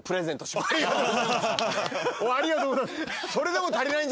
ありがとうございます。